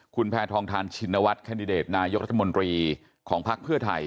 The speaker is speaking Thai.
คุณแพทองทานชินวัฒนแคนดิเดตนายกรัฐมนตรีของภักดิ์เพื่อไทย